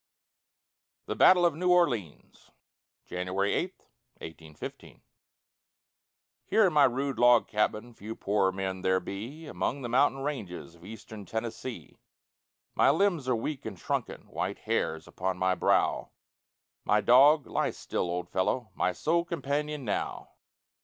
THE BATTLE OF NEW ORLEANS [January 8, 1815] Here, in my rude log cabin, Few poorer men there be Among the mountain ranges Of Eastern Tennessee. My limbs are weak and shrunken, White hairs upon my brow, My dog lie still old fellow! My sole companion now.